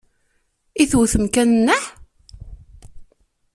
I tewtem kan nneḥ?